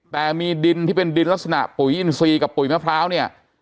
แต่มีดินที่เป็นดินลักษณะปุ๋ยอินซีกับปุ๋ยมะพร้าวเนี่ย